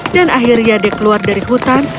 dan akhirnya dia keluar dari hutan